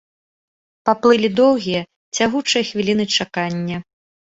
Паплылі доўгія, цягучыя хвіліны чакання.